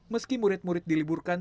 meski murid murid diliburkan